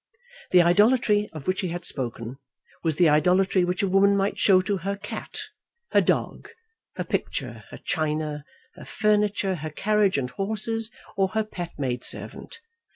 The idolatry of which he had spoken was the idolatry which a woman might show to her cat, her dog, her picture, her china, her furniture, her carriage and horses, or her pet maid servant.